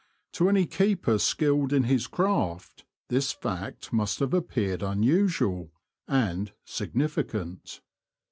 To any keeper skilled in his craft this fact must have appeared unusual — and significant.